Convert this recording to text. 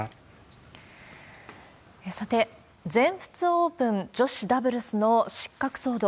さて、全仏オープン女子ダブルスの失格騒動。